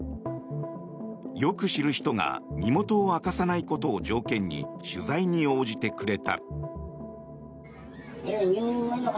よく知る人が身元を明かさないことを条件に取材に応じてくれた。